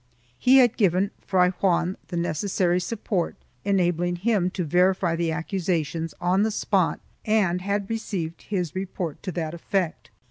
He had given Fray Juan the necessary support, enabling him to verify the accusations on the spot and had received his report to that effect.